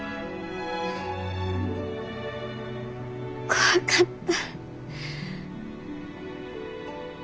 怖かった。